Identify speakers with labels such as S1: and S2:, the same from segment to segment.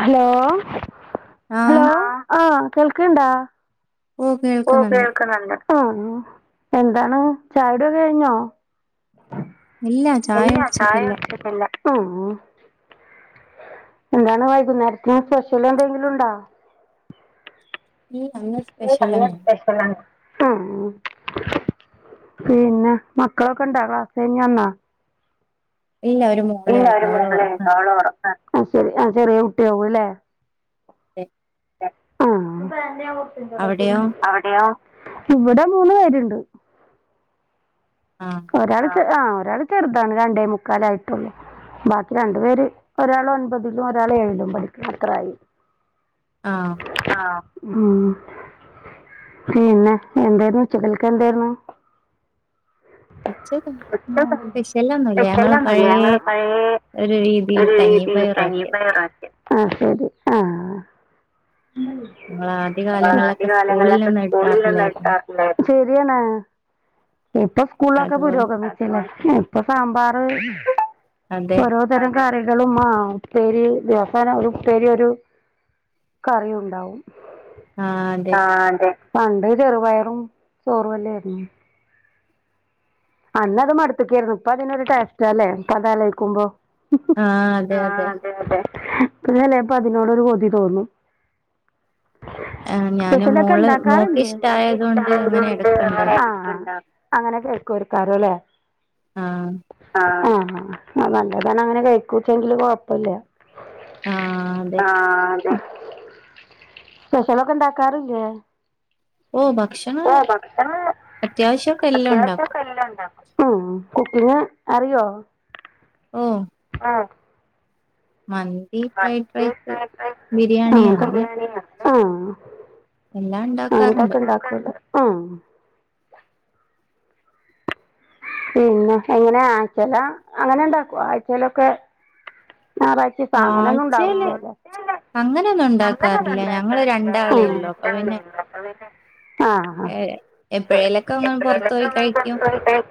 S1: Hello.. hello..
S2: ആഹ്
S1: ആ.. കേൾക്കുന്നുണ്ടോ
S2: ഓ.. കേൾക്കുന്നുണ്ട്.
S1: ആ.. എന്താണ് ചായകുടി യൊക്കെ കഴിഞ്ഞോ?
S2: ചായ
S1: ഇല്ല,
S2: കുടിച്ചിട്ടില്ല
S1: ചായവച്ചിട്ടില്ല. ഓ എന്താണ്, വൈകുന്നേരത്തിന് സ്പെഷ്യലെന്തെങ്കിലുമുണ്ടോ
S2: ഇല്ല ഇന്ന്
S1: നീ
S2: സ്പെഷ്യലൊന്നും
S1: തന്നെസ്പെഷ്യലാണ്, ഓ... പിന്നെ, മക്കളൊക്കെയുണ്ടോ ഇറയത്തു തന്നെയാണോ?
S2: ഇല്ല ഒരു മോളേ
S1: ഇല്ല,
S2: ഉള്ളൂ അവള് ഉറങ്ങാണ്
S1: ആ... ശരി ആ.. ചെറിയകുട്ടിയാവും അല്ലേ.
S2: എ അവിടെയോ
S1: അവിടെയോ ഇവിടെ മൂന്നുപേരുണ്ട്.
S2: ആഹ്
S1: ഒരാള്ചെ ആഹ് ഒരാൾ ചെറുതാണ് രണ്ടേ മുക്കാലായിട്ടുള്ളൂ. ബാക്കിരണ്ടുപേര് ഒരാളൊൻപതിലും ഒരാളേഴിലും പഠിക്കുറയി.
S2: ആഹ്
S1: ആഹ് ഉം പിന്നെഎന്തായിരുന് ഉച്ചക്കലൊക്കെയെന്തായിരുന്നു.
S2: ഉച്ചക്ക്
S1: [unintelligible]
S2: സ്പെഷ്യലൊന്നുല്ല ഞങ്ങള്
S1: സ്പെഷ്യലൊന്നൂല്ല.
S2: പഴയ
S1: ഞങ്ങള് പയേ
S2: ഒരു രീതിയിൽ കഞ്ഞിയും
S1: ഒരുരീതിയിൽ
S2: പയറും ആക്കിയത്
S1: കഞ്ഞീംപയറാക്കി ആഹ് ശരി ആഹ്
S2: ഞങ്ങള് ആദ്യ
S1: [inaudible]
S2: കാലങ്ങളിലൊക്കെ സ്കൂളിൽ
S1: ആദ്യകാലങ്ങളിലൊക്കെ
S2: നിന്ന്
S1: സ്കൂളിലുള്ള
S2: കിട്ടാറില്ലായിരുന്നു
S1: വിദ്യാർത്ഥികൾ ശരി [unintelligible] ഇപ്പംസ്കൂളിലൊക്കെ
S2: അതുപോലെ
S1: പുരോഗമിച്ചില്ലേ. ഇപ്പൊസാമ്പാർ
S2: അതെ
S1: ഓരോ തരംകറികളും ആം ഉപ്പേരി രസാണോ ഒരുപ്പേരിയൊരു കറിയുണ്ടാവും.
S2: ആഹ് അതെ
S1: ആഹ് അതെ പണ്ട് ചെറുപയറും ചോറുഅല്ലേരുന്നോ അന്നത് മടുത്ത്ക്കേരുന്നു ഇപ്പതിനൊരു ടേസ്റ്റാലേ ഇപ്പ അതാലോയ്ക്കുമ്പോ
S2: ആഹ് അതെ അതെ
S1: [unintelligible] പ്പൊ അതിനോടൊരു കൊതി തോന്നും.
S2: ആഹ് ഞാന്
S1: സ്പെഷ്യലൊക്കെ
S2: മോള് മോക്ക്
S1: ണ്ടാക്കാറ്ല്ല്യേ
S2: ഇഷ്ടായത് കൊണ്ട് അങ്ങനെ
S1: മോൾക്കിഷ്ടായതുകൊണ്ട്
S2: ഇടക്ക് ഇണ്ടാക്കും
S1: അങ്ങനൊക്കെണ്ടാ അങ്ങനോക്കെയ് കൊടുക്കാരൊലേ
S2: ആഹ്
S1: ആഹ് ആ ആഹ് ന നല്ലതാണങ്ങനെ കയ്ക്കൂച്ചെങ്കില് കൊഴ്പ്പല്ല്യ
S2: ആഹ് അതെ
S1: അഹ് സ്പെഷ്യലൊക്കെണ്ടാക്കാറില്ലേ?
S2: ഓ ഭക്ഷണം
S1: ഓ ഭക്ഷണം
S2: അത്യാവശ്യൊക്കെ എല്ലാം ഉണ്ടാക്കും
S1: അത്യാവശ്യക്കെയെല്ലാണ്ടാക്കും. ഉം കുക്കിംങ് അറിയോ
S2: ഉം.
S1: അഹ്
S2: ഫ്രൈഡ്
S1: മറ്റേ
S2: റൈസ്
S1: ഫ്രൈഡ്രൈസ്
S2: ബിരിയാണി
S1: ആഹ് ക
S2: അങ്ങനെ
S1: ബിരിയാണി ആഹ്
S2: എല്ലാം ഉണ്ടാക്കാറുണ്ട്
S1: ആങ്ങൻതൊക്കെണ്ടാക്കല് ആഹ് പിന്നെ എങ്ങനെ ആഴ്ചേലാ അങ്ങനെണ്ടാക്കോ ആഴ്ചേലൊക്കെ ഞായറാഴ്ചീസാ അങ്ങനെ ഒന്നും
S2: ആഴ്ചയില്
S1: ഉണ്ടാവൂല
S2: അങ്ങനെയൊന്നും ഉണ്ടാക്കാറില്ല ഞങ്ങള്
S1: അങ്ങനൊന്നുംണ്ടാക്കലില്ല
S2: രണ്ടാളേ ഉള്ളു അപ്പൊ പിന്നെ
S1: [unintelligible] അപ്പ പിന്നെ ആഹ്
S2: ഏഹ്
S1: ഹാ എ
S2: എപ്പോഴേലൊക്കെ
S1: എപ്
S2: അങ്ങനെ പുറത്തു
S1: എപ്പളേലൊക്കെ
S2: പോയി കഴിക്കും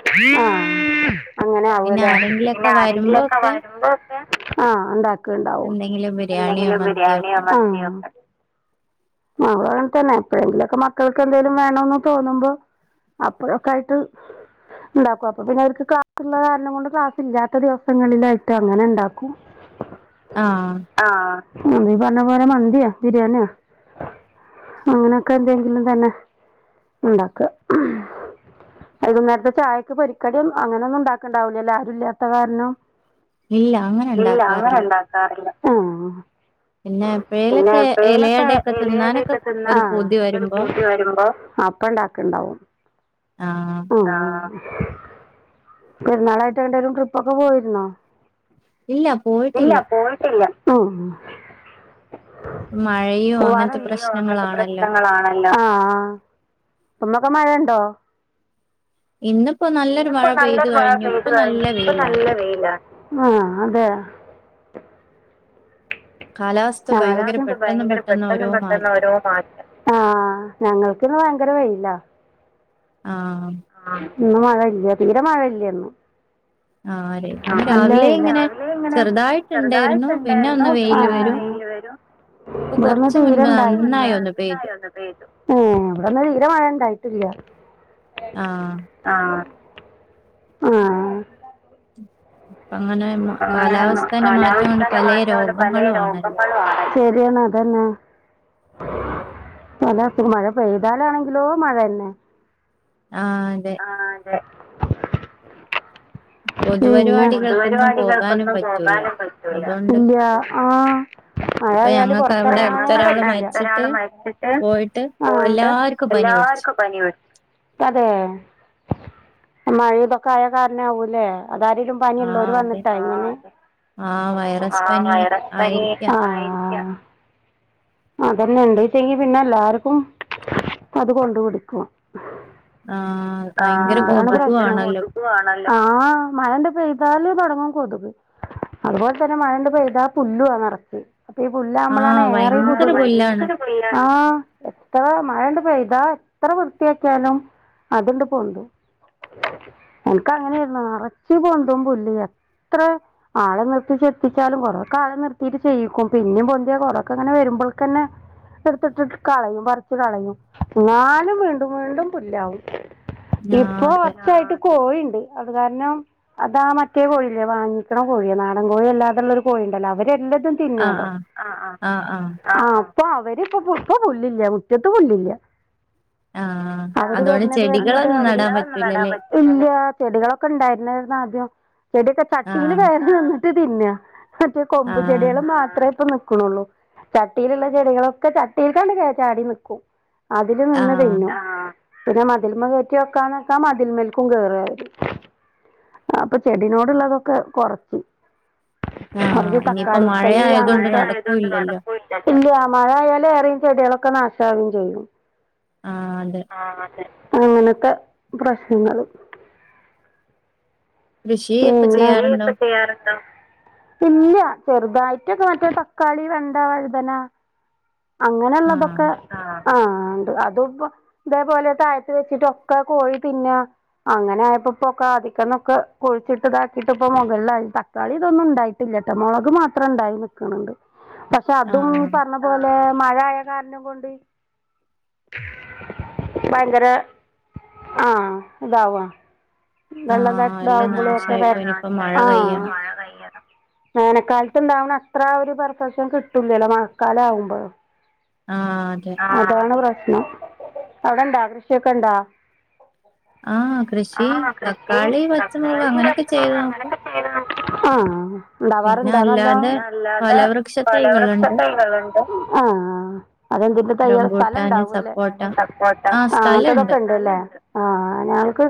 S1: [unintelligible] ആഹ് അങ്ങനെ
S2: പിന്നെ
S1: ആവുലേ പിന്നെ
S2: ആരെങ്കിലൊക്കെ വരുമ്പോ
S1: ആരെങ്കിലൊക്കെ
S2: ഒക്കെ
S1: വരുമ്പോക്കെ ആഹ് ഉണ്ടാക്ക്ണ്ടാവും
S2: എന്തെങ്കിലും ബിരിയാണിയോ
S1: എന്തെങ്കിലും
S2: മന്തിയോ
S1: ബിരിയാണിയോ
S2: ഒക്കെ
S1: ആഹ്
S2: ഉണ്ട്.
S1: മാന്തിയൊക്കെ ആഹ് [unintelligible] അങ്ങൻതന്നെ എപ്പഴെങ്കിലുംക്കെ മക്കൾക്ക് എന്തെങ്കലും വേണന്ന് തോന്നുമ്പോ അപ്പഴൊക്കായിട്ട് ഉണ്ടാക്കും അപ്പൊ പിന്നെ അവർക്ക് ക്ലാസുള്ള കാരണം കൊണ്ട് ക്ലാസില്ലാത്ത ദിവസങ്ങളിലായിട്ട് അങ്ങനെ ഉണ്ടാക്കും
S2: ആഹ്
S1: ആ ഉം നീ പറഞ്ഞ പോലെ മന്തിയാ ബിരിയാണിയാ അങ്ങനെയൊക്കെ എന്തെങ്കിലും തന്നെ ഉണ്ടാക്കുക വൈകുന്നേരത്തെ ചായക്ക് പൊരിക്കടി അങ്ങനെ ഒന്നും ഉണ്ടാക്കണ്ടാവൂലല്ല ആരും ഇല്ലാത്ത കാരണം
S2: ഇല്ല അങ്ങനെ
S1: ഇല്ല അങ്ങനെ
S2: ഉണ്ടാക്കാറില്ല
S1: ഉണ്ടാക്കാറില്ല ആഹ്
S2: പിന്നെ എപ്പഴേലൊക്കെ ഇല
S1: ആഹ് എലയടയൊക്കെ തിന്നാൻ ഒരു
S2: വരുമ്പോ
S1: പൂതി വരുമ്പോ അപ്പ ഉണ്ടാക്കൊണ്ടാവും
S2: ആഹ്
S1: ആഹ് പെരുന്നാളായിട്ട് എങ്ങോട്ടേലും ട്രിപ്പൊക്കെ പോയിരുന്നോ
S2: ഇല്ല
S1: ഇല്ല
S2: പോയിട്ടില്ല
S1: പോയിട്ടില്ല ഉം
S2: മഴയും
S1: പോവാറ
S2: അങ്ങനത്തെ
S1: പനിയോ അങ്ങനത്തെ
S2: പ്രശ്നങ്ങളാണല്ലോ
S1: പ്രശ്നങ്ങളാണല്ലോ ആഹ് ആഹ് ഇപ്പം മഴയുണ്ടോ
S2: ഇന്നിപ്പോ നല്ലൊരു
S1: ഇന്നിപ്പോ
S2: മഴ
S1: നല്ല
S2: പെയ്തു
S1: മഴ
S2: കഴിഞ്ഞു
S1: പെയ്ത്
S2: ഇപ്പൊ നല്ല
S1: കഴിഞ്ഞു ഇപ്പം
S2: വെയിലാണ്
S1: നല്ല വെയിലാ ആ അതെ
S2: കാലാവസ്ഥ
S1: ആ
S2: ഭയങ്കര
S1: ഞങ്ങക്ക് ഇന്ന്
S2: പെട്ടെന്ന്
S1: ഭയങ്കര പെട്ടെന്ന്
S2: ഓരോ
S1: പെട്ടെന്ന്
S2: മാറ്റം
S1: ഒരോ മാറ്റംആ ഞങ്ങക്ക്ന്ന് ഭയങ്കര വെയിലാ
S2: ആഹ്
S1: ആ ഇന്ന് മഴ ഇല്ല തീരെ മഴ ഇല്ലേന്നു
S2: ആഹ് ഇന്ന് രാവിലെ ഇങ്ങനെ
S1: രാവിലെ ഇങ്ങനെ
S2: ചെറുതായിട്ടുണ്ടായിരുന്നു പിന്നെ
S1: ചെറുതായിട്ടുണ്ടായിരുന്നു
S2: ഒന്ന്
S1: പിന്നെ
S2: വെയില് വരും
S1: വെയില് വരും
S2: ഇപ്പൊ
S1: ഇവിടെന്ന്
S2: കൊറച്ച് മുൻപ്
S1: തീരെണ്ടായില്ല
S2: നന്നായി ഒന്ന് പെയ്തു
S1: ഏ ഇവിടെന്ന് തീരെ മഴ ഇണ്ടായി ട്ടില്ല
S2: ആഹ്
S1: ആ ആ
S2: അപ്പ അങ്ങനെ
S1: അ
S2: കാലാവസ്ഥന്റെ മാറ്റം കൊണ്ട്
S1: കാലാവസ്ഥയില
S2: പല
S1: മാറ്റാണ് പല
S2: രോഗങ്ങളും ആണല്ലോ
S1: രോഗങ്ങളും ആണ് ശരിയാ ണ് അതന്നെ തലേ [unintelligible] മഴ പെയ്താലാണെങ്കിലോ മഴ തന്നെ
S2: ആ അതെ
S1: ആ അതെ പിന്നെ
S2: പൊതുപരിപാടികൾക്കൊന്നും പോകാനും
S1: പൊതുപരിപാടികൾക്കൊന്നും
S2: പറ്റൂല
S1: പോകാനും പറ്റൂല
S2: അതുകൊണ്ട്
S1: ഇല്ല ആ മഴ
S2: ഇപ്പൊ
S1: ആയാല്
S2: ഞങ്ങൾക്ക് അവിടെ
S1: പുറത്തറാങ്ങാനെ പറ്റൂല ഇവിടെ
S2: അടുത്തൊരാള്
S1: ഞങ്ങടെ തൊട്ടട്ത്ത
S2: മരിച്ചിട്ട്
S1: ആള് മരിച്ചിട്ട്
S2: പോയിട്ട്
S1: പോയിട്ട്
S2: എല്ലാർക്കും
S1: എല്ലാ
S2: പനി പിടിച്ചു
S1: ർക്കും പനിപിടിച്ചു അതെ മഴയൊ ക്കായ കാരണ ആവൂല്ലേ അതാരേലും പനിയുള്ളോര്
S2: ആഹ് അതെ
S1: വന്നിട്ടാ എങ്ങനെ
S2: ആഹ്
S1: ആ
S2: വൈറസ് പനി
S1: വൈറസ് പനി
S2: ആയിരിക്കാം
S1: ആയിരിക്കാം അതന്നെ ഉണ്ടച്ചെങ്കി പിന്നെ എല്ലാർക്കും അത് കൊണ്ട്പിടിക്കും
S2: ആഹ്
S1: ആ ഭയങ്കര
S2: കൊതുകു ആണല്ലോ
S1: കൊതുകാണല്ലോ അതാണ് പ്രശ്നം ആ മഴാണ്ട് പെയ് താല് തൊടങ്ങും കൊതുക് അതുപോലെ തന്നെ മഴണ്ട് പെയ്താ പുല്ലവാ നിറച്ച് അപ്പൊ ഈ പുല്ലാവുമ്പോഴാണ്
S2: ആഹ്
S1: ഏറെ
S2: ഭയങ്കര
S1: കൊതുക് ആ
S2: പുല്ലാണ്
S1: ഭയങ്കര പുല്ലാണ് ആഎത്ര മഴണ്ട് പെയ്താ എത്ര വൃത്തിയാക്കിയാലും അതിണ്ട് പൊന്തും എനക്ക് അങ്ങനെയായിരുന്നു നിറച്ച് പൊന്തും പുല്ല് എത്ര ആളെ നിർത്തി ചെത്തിച്ചാലും കൊറക്കെ ആളെ നിർത്തിയിട്ട് ചെയ്യിക്കും പിന്നെ പൊന്തിയ കൊറൊക്കെ അങ്ങനെ വരു മ്പോൾക്കന്നെ എടുത്തിട്ടി കളയും പറിച്ച് കളയും എന്നാലും വീണ്ടും വീണ്ടും പുല്ലാവും
S2: ആഹ്
S1: ഇപ്പൊ
S2: അതെ
S1: കൊറച്ചായിട്ട് കോഴി ണ്ട് അത് കാരണം അതാ മറ്റേ കോഴിയില്ലെ വാങ്ങിക്ക്ണ കോഴിയാ നാടൻ കോഴി അല്ലാതുള്ളരു കോഴി ഉണ്ടല്ലോ അവരെല്ലാം
S2: ആഹ്
S1: തിന്നല്ലോ
S2: ആഹ് ആഹ് ആഹ്
S1: അപ്പൊ അവരിപ്പൊ പുപ്പ് പുല്ലിന്നാ മുറ്റത്ത് പുല്ലില്ല
S2: ആഹ്
S1: അവര്
S2: അതോണ്ട്
S1: വരുന്നത് വരുന്നത്
S2: ചെടികളൊന്നും
S1: അവര്
S2: നടാൻ പറ്റൂലല്ലേ
S1: ഇല്ല ചെടികളൊക്കെ ഉണ്ടായിരുന്നായിരുന്നു ആദ്യം ചെടി ഒക്കെ ചാട്ടീല്
S2: ആഹ്
S1: കയറി തിന്നാ ക്ഷേ ഇപ്പോ കൊമ്പ്
S2: ആഹ്
S1: ചെടികൾ മാത്രമേ ഇപ്പ നിൽക്ക്ണെള്ളൂ ചട്ടിയിലുള്ള ചെടികളൊക്കെ ചട്ടിയിൽ കണ്ട് ചാടി നിക്കും അതില് നിന്ന്
S2: ആഹ്
S1: തിന്നാ പിന്നെ മതിൽമ കയറ്റി വെക്കാന്നോക്ക്യാ മതിൽമൽക്കും കേറാവര് അപ്പൊ ചെടിനോടുള്ളതൊക്കെ കുറച്ച്
S2: ആഹ്
S1: മർദി
S2: ഇനിയിപ്പോ
S1: തക്കാളി തൈ
S2: മഴയായതൊണ്ട്
S1: അങ്ങന്
S2: നടക്കൂല്ലല്ലോ
S1: ത്തെ ഇല്ല മഴ ആായാല് ഏറെയും ചെടികളൊക്കെ നാശാവും ചെയ്യും
S2: ആഹ് അതെ
S1: ആ അതെ അങ്ങനത്തെ പ്രശ്നങ്ങളും
S2: കൃഷിയൊക്കെ
S1: പിന്നെ
S2: ചെയ്യാറുണ്ടോ
S1: കൃഷിയൊക്കെ ചെയ്യാറുണ്ടോ ഇല്ല ചെറുതായിട്ടൊക്കെ മറ്റേ തക്കാളി വെണ്ട വഴുതന
S2: ആഹ്
S1: അങ്ങനെള്ളതൊക്കെ ആ അതുപ്പോ ഇതേപോലെ താഴത്ത് വെച്ചിട്ടൊക്കെ കോഴി തിന്നാ അങ്ങനെ ആ ഉപ്പൊക്കെ ആധിക്കന്നൊക്കെ കൊഴിച്ചിട്ട ഇതാക്കിട്ടപ്പം മുകളിലായി തക്കാളി ഇതൊന്നും ഉണ്ടായിട്ടില്ലട്ടോ മുളക് മാത്രം ഇണ്ടായി നിക്കണണ്ട് പക്ഷെ അതും
S2: ആഹ്
S1: പറഞ്ഞ പോലെ മഴ ആയ കാരണം കൊണ്ട് ഭയങ്കര ആ ഇതാവ വെള്ളം
S2: ആഹ്
S1: തട്ട്
S2: എല്ലാം
S1: ആകുമ്പോഴും ഒക്കെ
S2: നാശായിപ്പോ ഇനിയിപ്പോ മഴ
S1: ആ
S2: കയ്യണം
S1: വേനക്കാലത്ത ഇണ്ടാവണ അത്ര ഒരു പെർഫക്ഷൻ കിട്ടൂലല്ലോ മഴക്കാല ആകുമ്പോ
S2: ആ അതെ
S1: അവിടെണ്ടാ കൃഷിയൊക്കെ ഉണ്ടോ
S2: ആ കൃഷി തക്കാളി പച്ചമുളക് അങ്ങനൊക്കെ ചെയ്ത് നോക്കും
S1: ആഹ
S2: പിന്നെ
S1: ഉണ്ടാവാറുണ്ട് അതല്ലാ
S2: അല്ലാതെ ഫലവൃക്ഷ തൈകളുണ്ട്
S1: പലവൃക്ഷൈതൈ ണ്ട് ആ അതെന്തില തയ്യ സ്ഥലം
S2: റംബൂട്ടാന്
S1: ഉണ്ടാവല്ലേ
S2: സപ്പോട്ട
S1: ആസപ്പോട്ട
S2: ആ സ്ഥലണ്ട്
S1: അങ്ങനത്തെതൊക്കെ ഉണ്ടല്ലേ ആഞ ക്ക്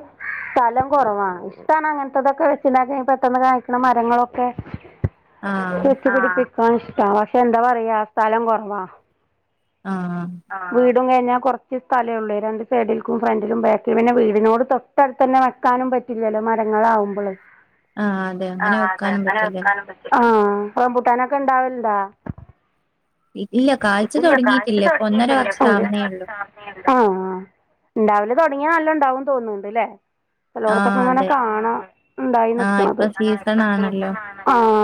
S1: സ്ഥലം കുറവാണ് ഇഷ്ടമാണ് അങ്ങനത്തെതൊക്കെ വെച്ചാക്ക പെട്ടെന്ന് കാണിക്കണ മരങ്ങളൊക്കെ
S2: ആഹ്
S1: വെച്ച് പിടിപ്പിക്കൻ ഇഷ്ട പക്ഷെ എന്താ പറയാ സ്ഥലം കൊറവാ
S2: ആഹ
S1: കഴിഞ്ഞാൽ കുറച്ച് സ്ഥലമ ഉള്ളൂ രണ്ട് സൈഡിൽക്കും ഫ്രണ്ടിലും ബാക്കിൽ പിന്നെ വീടിനോട് തൊട്ടടുത്ത് തന്നെ വെക്കാനും
S2: ആഹ് അതെ അങ്ങനെ വെക്കാനും പറ്റില്ല
S1: ആ റംമ്പുട്ടാനൊക്കെ ഇണ്ടാവലണ്ടാ
S2: ഇല്ല കാഴ്ച തുടങ്ങിയിട്ടില്ല ഇപ്പൊ ഒന്നര വർഷം ആവുന്നേ ഉള്ളൂ
S1: ആ ഉണ്ട തുടങ്ങാ നല്ല ഉണ്ടാവുംന്ന് തോന്നുന്നുണ്ട് അല്ലേ പലോടത്തൊക്കെ
S2: ആഹ്
S1: ഇങ്ങനെ
S2: അതെ
S1: കാണാ ഉണ്ടായി
S2: ആഹ്
S1: നിക്കണത്
S2: ഇപ്പൊ സീസൺ ആണല്ലോ
S1: ആഹ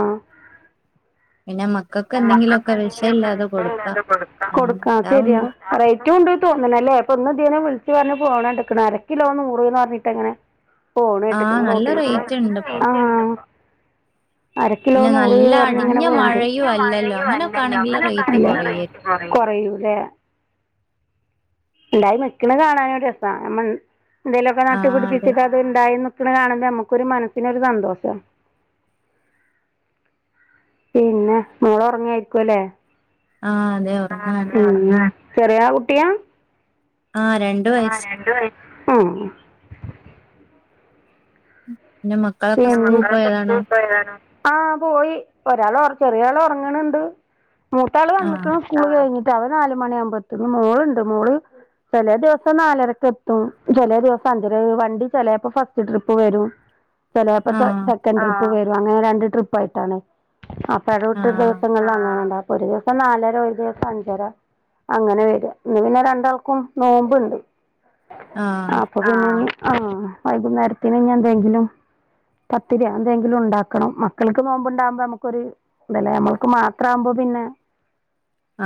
S2: പിന്നെ മക്കൾക്ക്
S1: മക്കൾക്ക്
S2: എന്തെങ്കിലുമൊക്കെ
S1: എന്തെങ്കിലൊക്കെ
S2: വിഷയില്ലാതെ കൊടുക്കാ
S1: കൊടുക്കാം
S2: അങ്ങനെ
S1: കൊടുക്കാം അത്‌ ശെരിയാ
S2: ഉണ്ടാവുമ്പോ
S1: റൈറ്റ് ണ്ട് ട്ടോ അല്ലേ അപ്പൊന്നും ഇെ വിളിച്ചച്ച് പറഞ്ഞഞ് പോണ ണ്ടിക്കന് അരക്കിലോ നൂറിന്ന് പറഞ്ഞട്ട് എങ്ങനെ പോണ്
S2: ആഹ്
S1: കേട്ടക്കണ
S2: നല്ല
S1: റോഡിലൂടെ
S2: റേറ്റ് ഉണ്ട് ഇപ്പൊ
S1: ആ അര കിലോ
S2: പിന്നെ
S1: നൂറ്
S2: നല്ല
S1: പറഞ്ഞിങ്ങനെ
S2: അടിഞ്ഞ
S1: പോവണ്ട് പി
S2: മഴയും അല്ലല്ലോ
S1: മഴയോ
S2: അങ്ങനെയൊക്കെ
S1: അല്ലല്ലോ
S2: ആണെങ്കിൽ റേറ്റ് കുറയായിരുന്നു
S1: അങ്ങനെറ കുറയൂല ഉണ്ടായി മിക്കി കാണാനും രസമാണ് എന്തേലുമൊക്കെ
S2: ആഹ് അതെ
S1: നട്ടുപിടിപ്പിച്ചിട്ട് അത് ഉണ്ടായി കാണ നമുക്കൊരു മനസ്സിനൊരു സന്തോഷം പിന്നെ മോള് ഉറങ്ങായിരിക്കുവല്ലേ
S2: ആഹ് അതെ
S1: ആ
S2: ഉറങ്ങാണ്
S1: ചെറിയാ കുട്ടിയാ
S2: ആ രണ്ടു
S1: ആ
S2: വയസ്
S1: രണ്ട് വയസ്സ് ഉം
S2: പിന്നെ
S1: [inaudible]
S2: മക്കളൊക്കെ സ്കൂളിൽ പോയതാണോ
S1: ആഹ പോയി ഒരാൾ ചെറിയ ആൾ ഉറങ്ങണണ്ട് മൂത്താൾ
S2: ആഹ്
S1: വന്നിക്കണ് സ്കൂൾ കഴിഞ്ഞിട്ട് അവൻ നാല് മണിയ ആകുമ്പോ എന്നും മോളുണ്ട് മോള് ചില ദിവസം നാലരക്ക് എത്തും ചില ദിവസം അഞ്ചര വണ്ടി ചിലപ്പോ ഫസ്റ്റ് ട്രിപ്പ് വരും ചിലപ്പ
S2: ആഹ്
S1: സെക്കൻഡ് ട്രിപ്പ് വരും അങ്ങനെ രണ്ട് ട്രിപ്പ് ആയിട്ടാണ് ഇടവിട്ട
S2: ആഹ്
S1: ദിവസങ്ങളിൽ അങ്ങനെ അപ്പൊ ഒരു ദിവസം നാലരാ ഒരു ദിവസം അഞ്ചരാ അങ്ങനെ വരും ഇന്ന് പിന്നെ രണ്ടാൾക്കും നോമ്പുണ്ട്
S2: ആഹ്
S1: അപ്പൊ പിന്നെ ആ വൈകുന്നേരത്തിന് ഇനി എന്തെങ്കിലും പത്തിരി എന്തെങ്കിലും ഉണ്ടാക്കണം മക്കൾക്ക് നോമ്പുണ്ടാകുമ്പോ നമുക്കൊരു തല്ലേല നമ്മൾക്ക് മാത്രമാകുമ്പോ പിന്നെ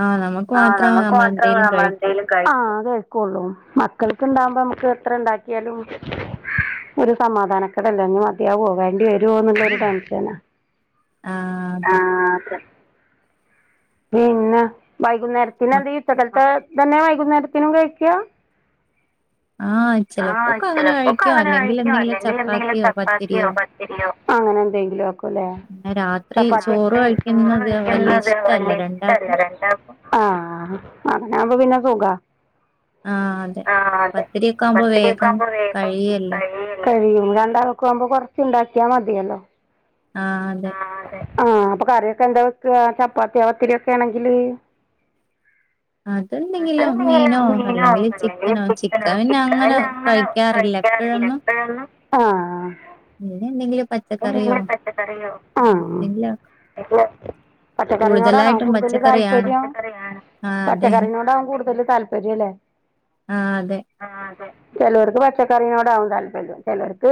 S2: ആഹ് നമുക്ക്
S1: ആ
S2: മാത്ര
S1: നമുക്ക് മാത്രം
S2: നമ്മളെന്തേലും
S1: നമ്മള്
S2: കഴിക്ക
S1: എന്തേലും കഴിക്കും ള്ളൂ മക്കൾക്ക്ണ്ടാകുമ്പോ നമുക്ക് എത്ര ഇണ്ടാക്കിയാലും ഒരു സമാധാനക്കെട ല്ലേ യാവോ വേണ്ടി വരുവോന്നുള്ളരു ടെൻഷന
S2: ആഹ്
S1: ആ
S2: അതെ
S1: പിന്നെ വൈകുന്നേരത്തിന്
S2: മ
S1: എന്തെ ഉച്ചക്കത്തെ തന്യ വൈകുന്നേരത്തിനും കഴിക്കുക
S2: ആഹ്
S1: ആഹ്
S2: ചെലപ്പോക്കെ അങ്ങനെ
S1: ചിലപ്പോക്കെ
S2: കഴിക്കും
S1: അങ്ങനെ
S2: അല്ലെങ്കിൽ
S1: കഴിക്കും
S2: എന്തെങ്കിലും
S1: അല്ലെങ്കിൽ എന്തെങ്കിലും
S2: ചപ്പാത്തിയോ
S1: ഒക്കെ
S2: പത്തിരിയോ
S1: പത്തിരിയോ അങ്ങനെ എന്തെങ്കിലും ആക്കുംല്ലേ
S2: പിന്നെ രാത്രി
S1: ചപ്പാത്തി
S2: ചോറ്
S1: ചോറ്
S2: കഴിക്കുന്നത് വല്യ
S1: കഴിക്കണത്
S2: ഇഷ്ടല്ല
S1: വല്യ ഇഷ്ട്ടല്ല
S2: രണ്ടാക്കും
S1: രണ്ടാൾക്കും അങ്ങനെ ആവുമ്പോൾ പിന്ന സുഖാ
S2: ആഹ് അതെ
S1: ആ അതെ
S2: പത്തിരിയൊക്കെ ആവുമ്പോ
S1: പത്തിരിക്ക
S2: വേഗം
S1: ആകുമ്പോൾ വേഗം
S2: കഴിയല്ലോ
S1: കഴിയും രണ്ടാൾക്കും കൊറച്ചുണ്ടാക്കിയാൽ മതിയല്ലോ
S2: ആഹ് അതെ
S1: ആഹ് അപ്പൊ കറിയൊക്കെ എന്താ വെക്കുക ചപ്പാത്തി പത്തിരി ഒക്കെ ആണെങ്കില് അത് മീനോ അല്ലെങ്കിൽ ചിക്കനോ ചിക്കൻ പിന്നെ അങ്ങനെ കഴിക്കാ റില്ല എപ്പോഴെന്നും
S2: പിന്നെ എന്തെങ്കിലും പച്ചക്കറിയോ
S1: പച്ചക്കറിയോ ആ
S2: അങ്ങനെ എന്തെങ്കിലും
S1: ആഹ് പച്ചക്കറിനോടാണോ
S2: കൂടുതലായിട്ടും
S1: കൂടുതൽ
S2: പച്ചക്കറിയാണ്
S1: താല്പര്യം
S2: ആഹ് അതെ
S1: പച്ചക്കറിനോടാവും കൂടുതൽ താല്പര്യല്ലേ
S2: ആഹ് അതെ
S1: ചിലവർക്ക് പച്ചക്കറിയോട് ആകും തല്പ്പര്യം ചിലവർക്ക്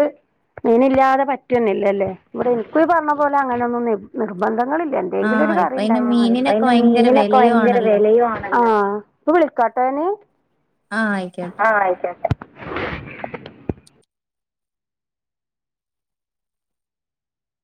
S1: മീനില്ലാതെ പറ്റുന്നില്ലല്ലേ ഇവിടെ എനക്ക് പറഞ്ഞ പോലെ അങ്ങനെയൊന്നും നിർബന്ധങ്ങളില്ല എന്തെങ്കിലും ഒരു
S2: ആഹ് ഇപ്പയിന്
S1: കറിയുണ്ടായോ
S2: മീനിനൊക്കെ
S1: ഇ
S2: ഭയങ്കര
S1: മീനിനൊക്കെ
S2: വെലയും
S1: ഭയങ്കര
S2: ആണല്ലോ.
S1: വിലയും ആണല്ലോ തണെ
S2: ആഹ് ആയിക്കോട്ടെ